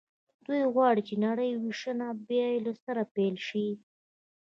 دوی غواړي چې نړۍ وېشنه بیا له سره پیل شي